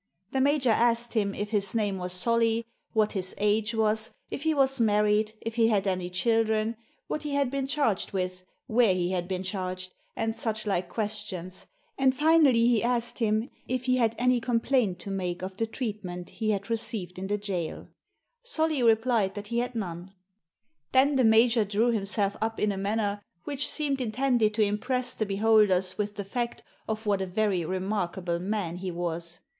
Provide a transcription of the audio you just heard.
The major asked him if his name was Solly, what his age was, if he was married, if he had any children, what he had been charged with, where he had been charged, and such like questions, and finally he asked him if he had any complaint to make of the treatment he had received in the jaiL Solly replied that he had none. Digitized by VjOOQIC THE PHOTOGRAPHS 51 Then the major drew himself up in a manner which seemed intended to impress the beholders with the fact of what a very remarkable man he was.